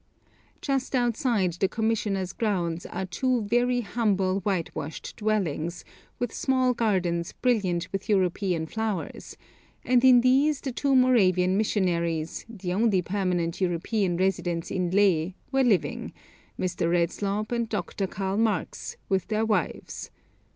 Just outside the Commissioner's grounds are two very humble whitewashed dwellings, with small gardens brilliant with European flowers; and in these the two Moravian missionaries, the only permanent European residents in Leh, were living, Mr. Redslob and Dr. Karl Marx, with their wives.